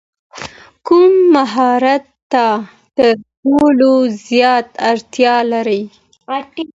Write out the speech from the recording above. کوم مهارت ته تر ټولو ډېره اړتیا لرې؟